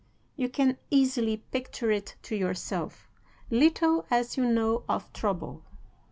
You can easily picture it to yourself, little as you know of trouble.